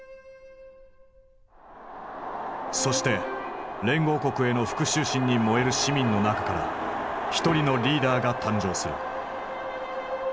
そして連合国への復讐心に燃える市民の中から一人のリーダーが誕生する。